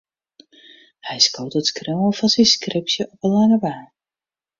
Hy skoot it skriuwen fan syn skripsje op 'e lange baan.